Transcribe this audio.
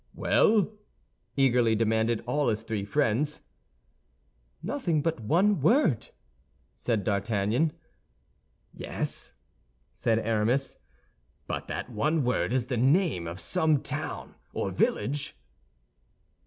"Well?" eagerly demanded all his three friends. "Nothing but one word!" said D'Artagnan. "Yes," said Aramis, "but that one word is the name of some town or village."